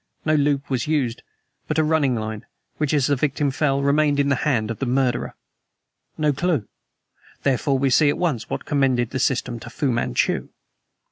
No loop was used, but a running line, which, as the victim fell, remained in the hand of the murderer. No clew! Therefore we see at once what commended the system to Fu Manchu."